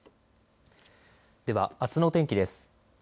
では、あすの天気です。